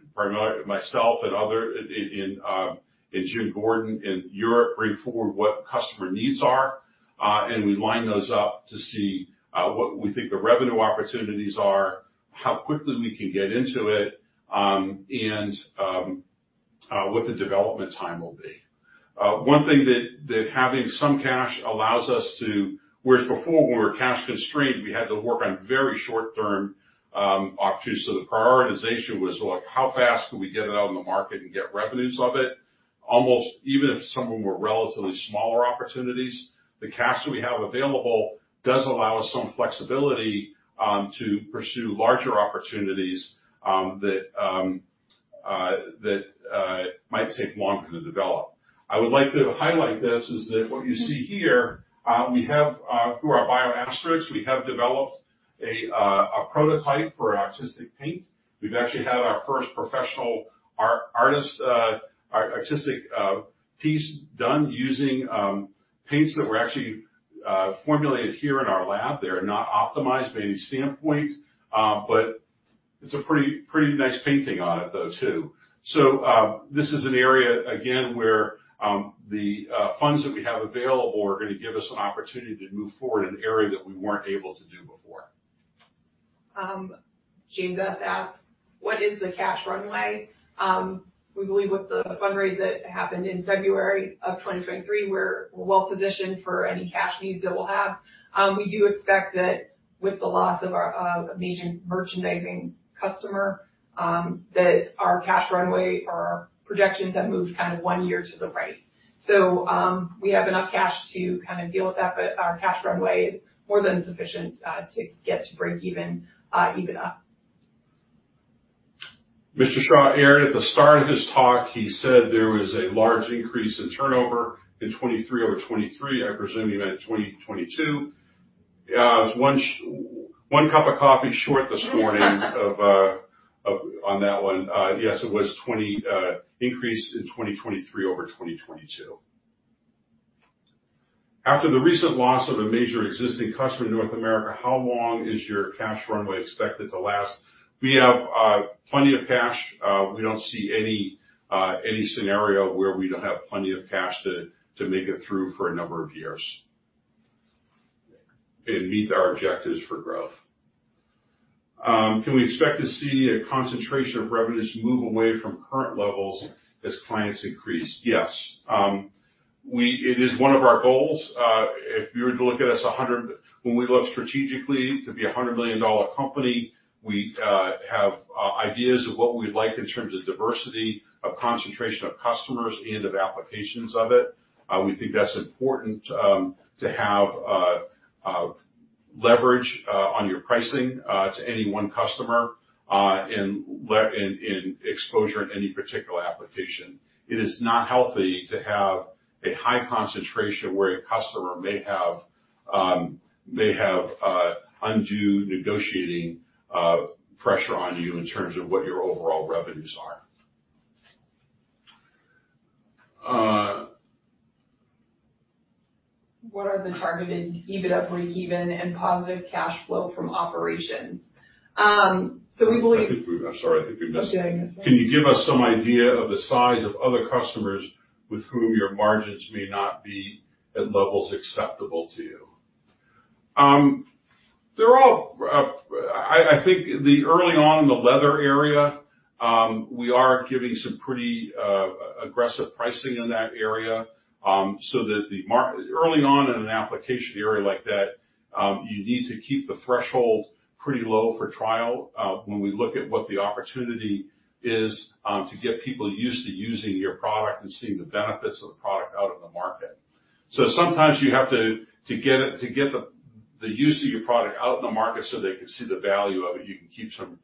Speaker 2: myself and Jim Gordon in Europe, bring forward what customer needs are. We line those up to see what we think the revenue opportunities are, how quickly we can get into it, and what the development time will be. One thing that having some cash allows us to, whereas before when we were cash constrained, we had to work on very short-term opportunities. The prioritization was like, how fast can we get it out in the market and get revenues of it? Almost even if some of them were relatively smaller opportunities, the cash that we have available does allow us some flexibility to pursue larger opportunities that might take longer to develop. I would like to highlight this, is that what you see here, through our bio extracts, we have developed a prototype for artistic paint. We've actually had our first professional artistic piece done using paints that were actually formulated here in our lab. They're not optimized from any standpoint, but it's a pretty nice painting on it though, too. This is an area, again, where the funds that we have available are going to give us an opportunity to move forward in an area that we weren't able to do before.
Speaker 3: James S asks, "What is the cash runway? We believe with the fundraise that happened in February of 2023, we're well-positioned for any cash needs that we'll have. We do expect that with the loss of our major merchandising customer, that our cash runway or our projections have moved one year to the right. We have enough cash to deal with that, but our cash runway is more than sufficient to get to breakeven EBITDA.
Speaker 2: Mr. Shaw, Aaron, at the start of his talk, he said there was a large increase in turnover in 2023 over 2023. I presume he meant 2022. I was one cup of coffee short this morning, on that one. Yes, it was increase in 2023 over 2022. After the recent loss of a major existing customer in North America, how long is your cash runway expected to last? We have plenty of cash. We don't see any scenario where we don't have plenty of cash to make it through for a number of years and meet our objectives for growth. Can we expect to see a concentration of revenues move away from current levels as clients increase? Yes. It is one of our goals. When we look strategically to be a GBP 100 million company, we have ideas of what we'd like in terms of diversity, of concentration of customers, and of applications of it. We think that's important to have leverage on your pricing to any one customer, and exposure in any particular application. It is not healthy to have a high concentration where a customer may have undue negotiating pressure on you in terms of what your overall revenues are.
Speaker 3: What are the targeted EBITDA breakeven and positive cash flow from operations?
Speaker 2: I'm sorry, I think we missed-
Speaker 3: Oh, did I miss one?
Speaker 2: Can you give us some idea of the size of other customers with whom your margins may not be at levels acceptable to you? I think the early on in the leather area, we are giving some pretty aggressive pricing in that area, so that early on in an application area like that, you need to keep the threshold pretty low for trial when we look at what the opportunity is to get people used to using your product and seeing the benefits of the product out in the market. Sometimes you have to get the use of your product out in the market so they can see the value of it. You can keep some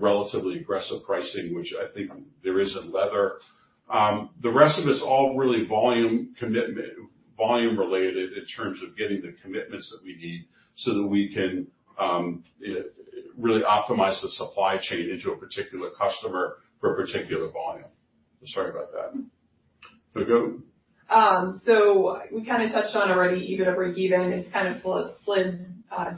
Speaker 2: relatively aggressive pricing, which I think there is in leather. The rest of it's all really volume related in terms of getting the commitments that we need so that we can really optimize the supply chain into a particular customer for a particular volume. Sorry about that. Want to go?
Speaker 3: We kind of touched on already EBITDA breakeven. It's kind of slid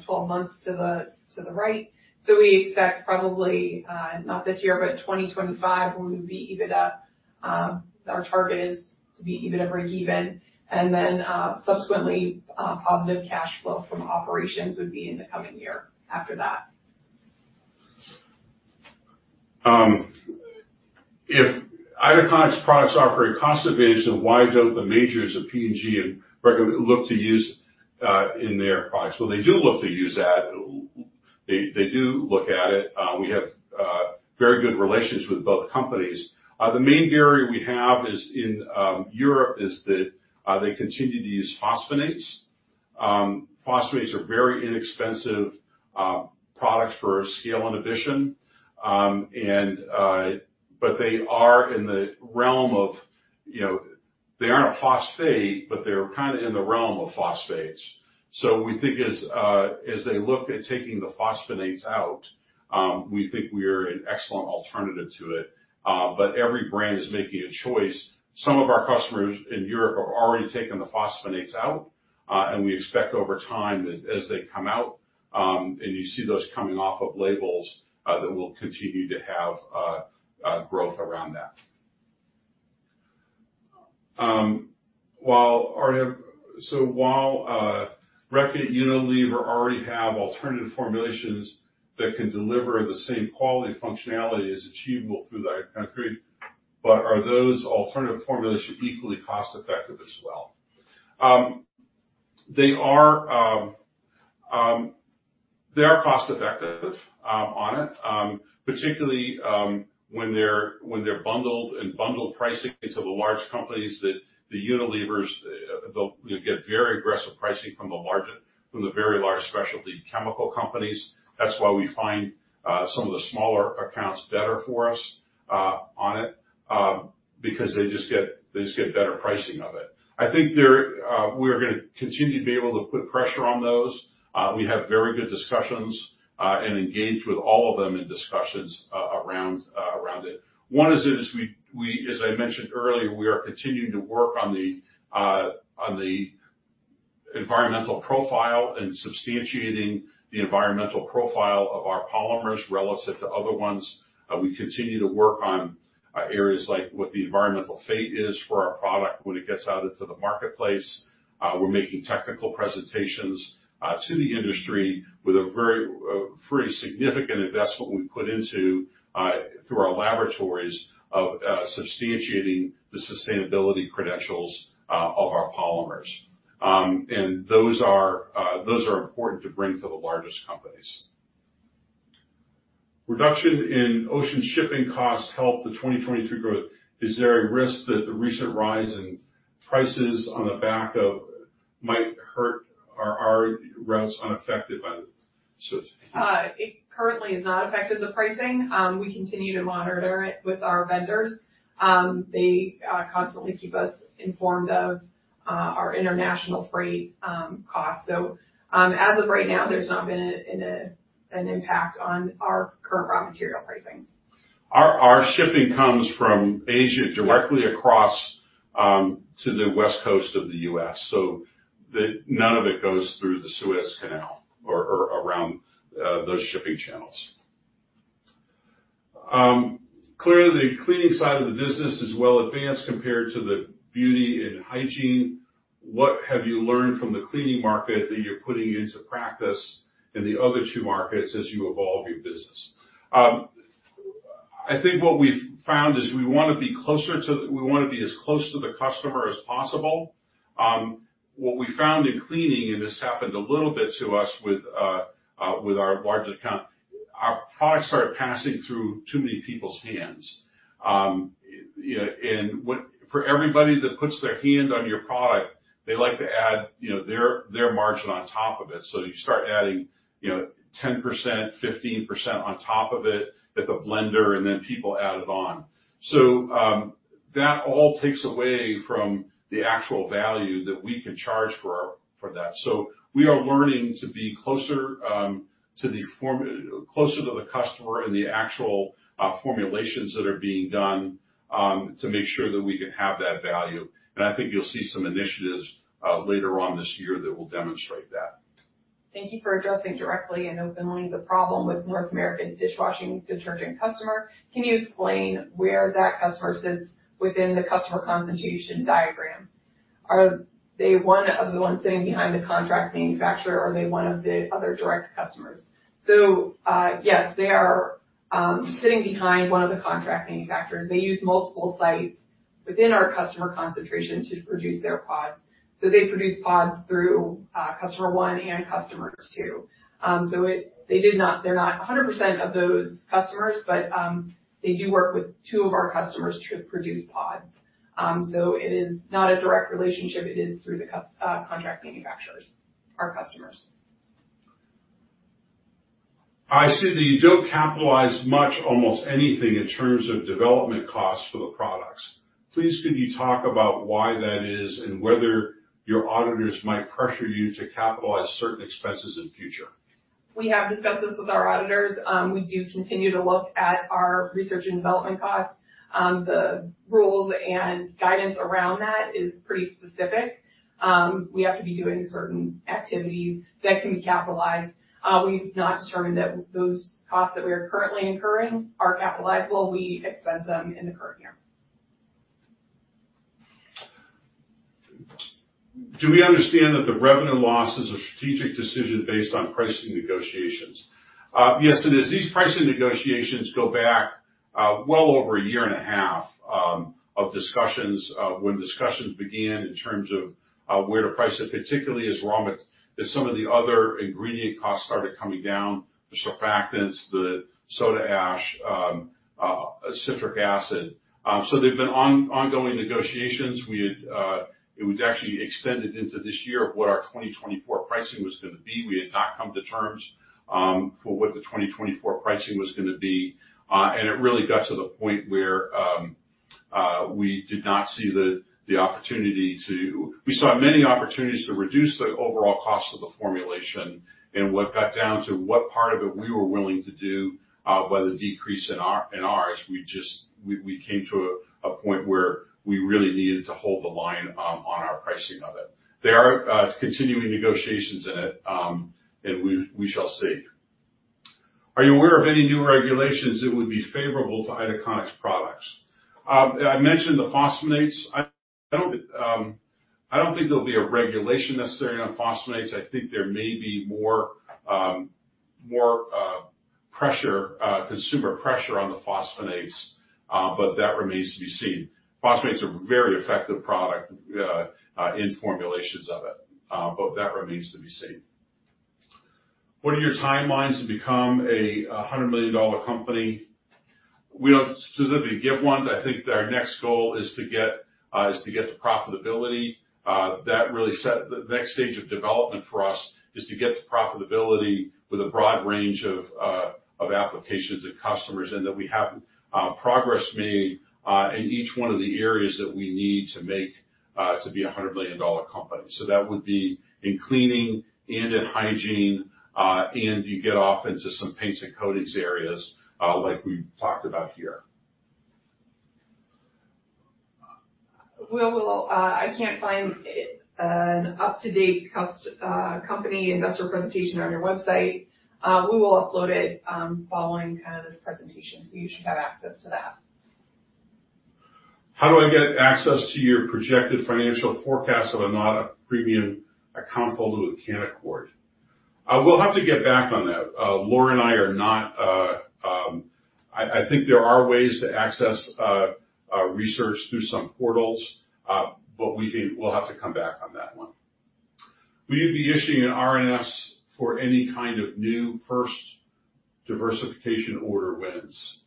Speaker 3: 12 months to the right. We expect probably, not this year, but 2025, we would be EBITDA. Our target is to be EBITDA breakeven, and then subsequently, positive cash flow from operations would be in the coming year after that.
Speaker 2: If Itaconix products offer a cost advantage, then why don't the majors of P&G look to use in their products? They do look to use that. They do look at it. We have very good relations with both companies. The main barrier we have is in Europe is that they continue to use phosphonates. Phosphonates are very inexpensive products for scale inhibition. They aren't phosphate, but they're kind of in the realm of phosphates. We think as they look at taking the phosphonates out, we think we're an excellent alternative to it. Every brand is making a choice. Some of our customers in Europe have already taken the phosphonates out. We expect over time as they come out, and you see those coming off of labels, that we'll continue to have growth around that. While Reckitt and Unilever already have alternative formulations that can deliver the same quality and functionality as achievable through the Itaconix, are those alternative formulations equally cost-effective as well? They are cost-effective on it, particularly when they're bundled in bundled pricing to the large companies, the Unilevers. They'll get very aggressive pricing from the very large specialty chemical companies. That's why we find some of the smaller accounts better for us on it, because they just get better pricing of it. I think we're going to continue to be able to put pressure on those. We have very good discussions and engage with all of them in discussions around it. One is, as I mentioned earlier, we are continuing to work on the environmental profile and substantiating the environmental profile of our polymers relative to other ones. We continue to work on areas like what the environmental fate is for our product when it gets out into the marketplace. We're making technical presentations to the industry with a very significant investment we put into, through our laboratories, of substantiating the sustainability credentials of our polymers. Those are important to bring to the largest companies. "Reduction in ocean shipping costs helped the 2023 growth. Is there a risk that the recent rise in prices on the back of might hurt our routes unaffected by the Suez?
Speaker 3: It currently has not affected the pricing. We continue to monitor it with our vendors. They constantly keep us informed of our international freight costs. As of right now, there's not been an impact on our current raw material pricing.
Speaker 2: Our shipping comes from Asia directly across to the West Coast of the U.S., so none of it goes through the Suez Canal or around those shipping channels. Clearly, the cleaning side of the business is well advanced compared to the beauty and hygiene. What have you learned from the cleaning market that you're putting into practice in the other two markets as you evolve your business? I think what we've found is we want to be as close to the customer as possible. What we found in cleaning, and this happened a little bit to us with our large account, our products started passing through too many people's hands. For everybody that puts their hand on your product, they like to add their margin on top of it, so you start adding 10%, 15% on top of it at the blender, and then people add it on. That all takes away from the actual value that we can charge for that. We are learning to be closer to the customer and the actual formulations that are being done to make sure that we can have that value. I think you'll see some initiatives later on this year that will demonstrate that.
Speaker 3: Thank you for addressing directly and openly the problem with North American dishwashing detergent customer. Can you explain where that customer sits within the customer concentration diagram? Are they one of the ones sitting behind the contract manufacturer, or are they one of the other direct customers? Yes, they are sitting behind one of the contract manufacturers. They use multiple sites within our customer concentration to produce their pods. They produce pods through customer one and customer two. They're not 100% of those customers, but they do work with two of our customers to produce pods. It is not a direct relationship. It is through the contract manufacturers, our customers.
Speaker 2: I see that you don't capitalize much, almost anything, in terms of development costs for the products. Please could you talk about why that is and whether your auditors might pressure you to capitalize certain expenses in future?
Speaker 3: We have discussed this with our auditors. We do continue to look at our research and development costs. The rules and guidance around that is pretty specific. We have to be doing certain activities that can be capitalized. We've not determined that those costs that we are currently incurring are capitalizable. We expense them in the current year.
Speaker 2: Do we understand that the revenue loss is a strategic decision based on pricing negotiations?" Yes, it is. These pricing negotiations go back well over a year and a half of discussions, when discussions began in terms of where to price it, particularly as some of the other ingredient costs started coming down, the surfactants, the soda ash, citric acid. There've been ongoing negotiations. It was actually extended into this year of what our 2024 pricing was going to be. We had not come to terms for what the 2024 pricing was going to be. It really got to the point where we did not see the opportunity. We saw many opportunities to reduce the overall cost of the formulation and what got down to what part of it we were willing to do by the decrease in ours, we came to a point where we really needed to hold the line on our pricing of it. There are continuing negotiations in it, and we shall see. "Are you aware of any new regulations that would be favorable to Itaconix products?" I mentioned the phosphonates. I don't think there'll be a regulation necessarily on phosphonates. I think there may be more consumer pressure on the phosphonates, but that remains to be seen. Phosphonates are a very effective product in formulations of it, but that remains to be seen. What are your timelines to become a GBP 100 million company?" We don't specifically give one, but I think our next goal is to get to profitability. The next stage of development for us is to get to profitability with a broad range of applications and customers, and that we have progress made in each one of the areas that we need to make to be a GBP 100 million company. That would be in cleaning and in hygiene, and you get off into some paints and coatings areas, like we've talked about here.
Speaker 3: I can't find an up-to-date company investor presentation on your website. We will upload it following this presentation, so you should have access to that.
Speaker 2: How do I get access to your projected financial forecast if I'm not a premium account holder with Canaccord? We'll have to get back on that. Laura and I are not I think there are ways to access research through some portals, but we'll have to come back on that one. Will you be issuing an RNS for any kind of new first diversification order wins?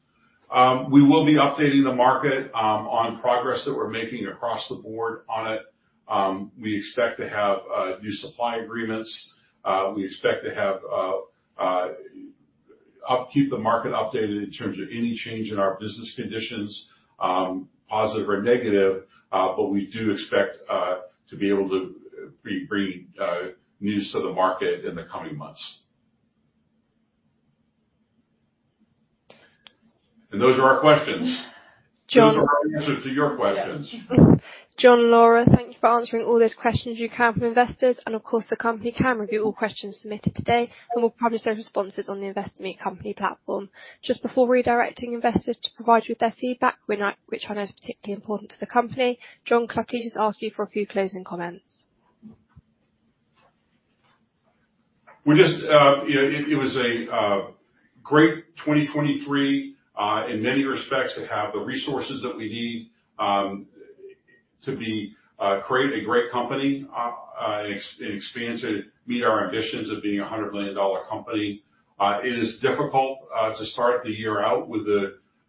Speaker 2: We will be updating the market on progress that we're making across the board on it. We expect to have new supply agreements. We expect to keep the market updated in terms of any change in our business conditions, positive or negative. We do expect to be able to be bringing news to the market in the coming months. Those are our questions.
Speaker 1: John-
Speaker 2: Those are our answers to your questions.
Speaker 1: Yeah. John, Laura, thank you for answering all those questions you can from investors. Of course, the company can review all questions submitted today, and we'll publish those responses on the Investor Meet Company platform. Just before redirecting investors to provide you with their feedback, which I know is particularly important to the company, John, can I please just ask you for a few closing comments?
Speaker 2: It was a great 2023 in many respects to have the resources that we need to create a great company and expand to meet our ambitions of being a GBP 100 million company. It is difficult to start the year out with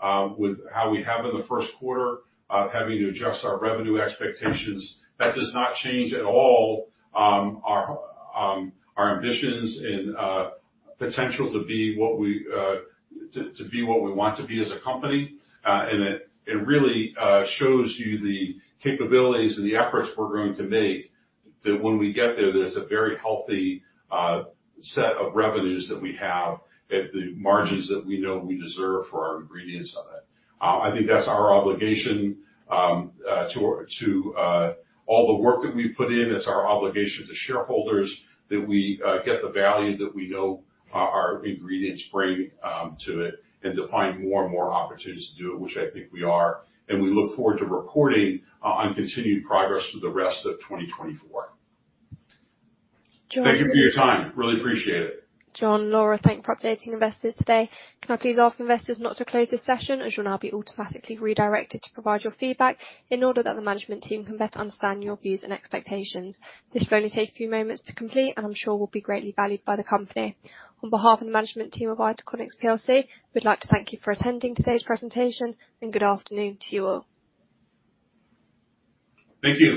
Speaker 2: how we have in the first quarter, having to adjust our revenue expectations. That does not change at all our ambitions and potential to be what we want to be as a company. It really shows you the capabilities and the efforts we're going to make, that when we get there's a very healthy set of revenues that we have at the margins that we know we deserve for our ingredients on it. I think that's our obligation to all the work that we've put in. It's our obligation to shareholders that we get the value that we know our ingredients bring to it, and to find more and more opportunities to do it, which I think we are. We look forward to reporting on continued progress through the rest of 2024.
Speaker 1: John-
Speaker 2: Thank you for your time. Really appreciate it.
Speaker 1: John, Laura, thank you for updating investors today. Can I please ask investors not to close this session, as you'll now be automatically redirected to provide your feedback in order that the management team can better understand your views and expectations. This will only take a few moments to complete, and I'm sure will be greatly valued by the company. On behalf of the management team of Itaconix plc, we'd like to thank you for attending today's presentation, and good afternoon to you all.
Speaker 2: Thank you.